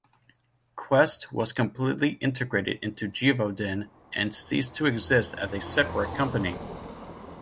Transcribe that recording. Quest was completely integrated into Givaudan and ceased to exist as a separate company.